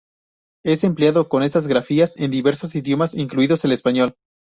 Es empleado con estas grafías en diversos idiomas, incluidos el español.